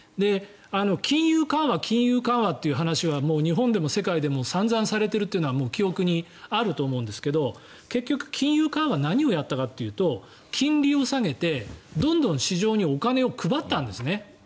金融緩和、金融緩和という話はもう日本でも世界でも散々されているというのは記憶にあると思うんですが結局、金融緩和は何をやったかというと金利を下げてどんどん市場にお金を配ったんですね。